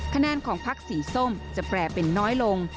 คะแนนของพักสีส้มจะแปลเป็นน้อยลง